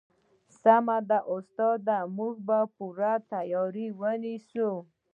سمه ده استاده موږ به پوره تیاری ونیسو